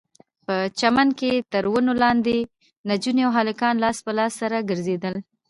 په چمن کښې تر ونو لاندې نجونې او هلکان لاس په لاس سره ګرځېدل.